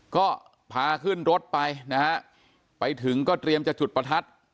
ก็พาขึ้นรถไปนะฮะไปถึงก็เตรียมจะจุดประทัด